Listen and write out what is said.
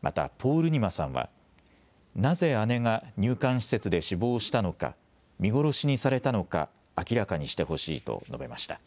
またポールニマさんはなぜ姉が入管施設で死亡したのか見殺しにされたのか明らかにしてほしいと述べました。